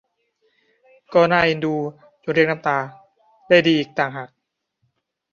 ก็น่าเอ็นดูจนเรียกน้ำตาได้ดีอีกต่างหาก